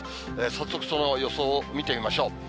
早速その予想を見てみましょう。